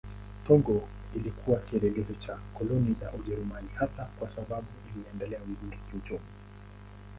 Togo ilikuwa kielelezo cha koloni za Ujerumani hasa kwa sababu iliendelea vizuri kiuchumi.